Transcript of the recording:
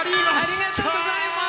ありがとうございます。